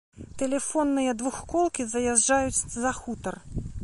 Тэлефонныя двухколкі заязджаюць за хутар.